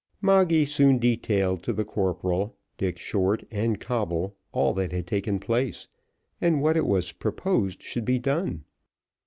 Moggy soon detailed to the corporal, Dick Short, and Coble, all that had taken place, and what it was proposed should be done.